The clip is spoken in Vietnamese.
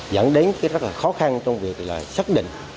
dẫn đến rất khó khăn trong việc xác định